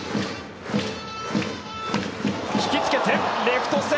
引きつけてレフト線。